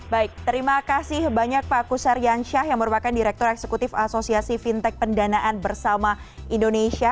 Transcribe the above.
baik terima kasih banyak pak kusaryan syah yang merupakan direktur eksekutif asosiasi fintech pendanaan bersama indonesia